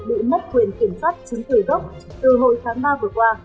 từ mất quyền kiểm soát chính thủy gốc từ hồi tháng ba vừa qua